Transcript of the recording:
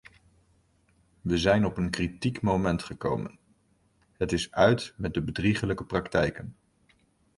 We zijn op een kritiek moment gekomen: het is uit met de bedrieglijke praktijken.